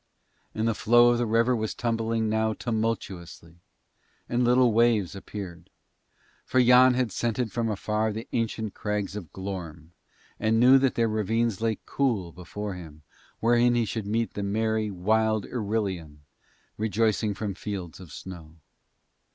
And the flow of the river was tumbling now tumultuously, and little waves appeared; for Yann had scented from afar the ancient crags of Glorm, and knew that their ravines lay cool before him wherein he should meet the merry wild Irillion rejoicing from fields of snow.